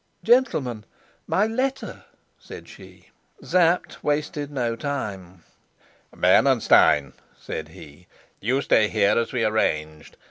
"Gentlemen, my letter!" said she. Sapt wasted no time. "Bernenstein," said he, "you stay here as we arranged.